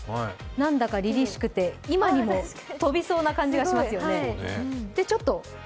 なんだかりりしくて、今にも飛びそうな感じがしますよね。